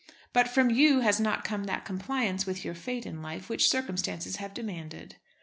But from you has not come that compliance with your fate in life which circumstances have demanded.